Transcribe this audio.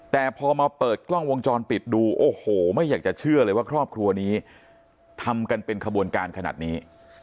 แต่พอมาเปิดกล้องวงจรปิดดูโอ้โหไม่อยากจะเชื่อเลยว่าครอบครัวนี้ทำกันเป็นขบวนการขนาดนี้